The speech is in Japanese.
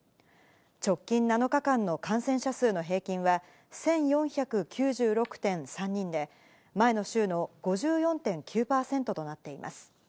直近７日間の感染者数の平均は、１４９６．３人で、前の週の５４．９％となっています。